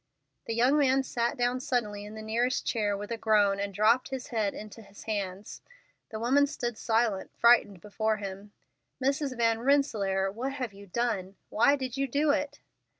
The young man sat down suddenly in the nearest chair with a groan, and dropped his head into his hands. The woman stood silent, frightened, before him. "Mrs. Van Rensselaer, what have you done? Why did you do it?"